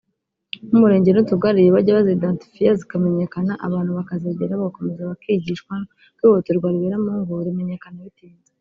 nk’umurenge n’utugari bajye bazidantifiya zikamenyekana abantu bakazegera bagakomeza bakigishwa kuko ihohoterwa ribera mu ngo rimenyekana bitinze